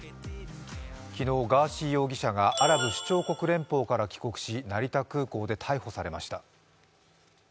昨日、ガーシー容疑者がアラブ首長国連邦から帰国し、成田空港で逮捕されました。